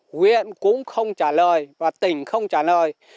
huyện cũng không trả lời và tỉnh không trả lời